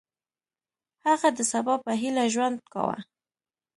هغه د سبا په هیله ژوند کاوه.